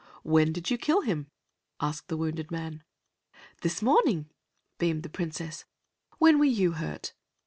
"When did you kill him?" asked the wounded man. "This morning," beamed the Princess. "When were you hurt?"